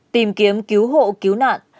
tìm kiếm cứu hộ cứu nạn